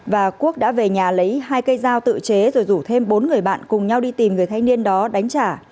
và quốc đã về nhà lấy hai cây dao tự chế rồi rủ thêm bốn người bạn cùng nhau đi tìm người thanh niên đó đánh trả